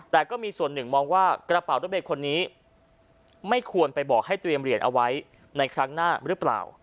แต่ก็มีส่วนหนึ่งมองว่ากระเป๋ารถเมย์คนนี้ไม่ควรไปบอกให้เตรียมเหรียญเอาไว้ในครั้งหน้าหรือเปล่า